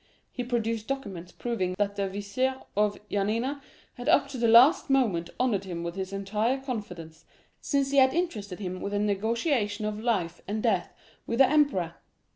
He produced documents proving that the Vizier of Yanina had up to the last moment honored him with his entire confidence, since he had interested him with a negotiation of life and death with the emperor.